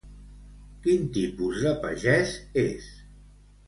Quin tipus de pagès és?